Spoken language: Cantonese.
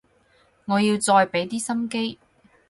我要再畀啲心機